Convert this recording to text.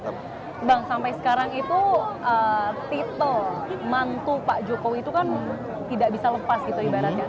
bang sampai sekarang itu titel mantu pak jokowi itu kan tidak bisa lepas gitu ibaratnya